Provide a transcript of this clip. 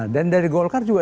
dan dari golkar juga